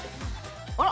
あら？